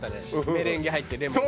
メレンゲ入ってレモンの。